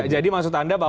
jadi maksud anda bahwa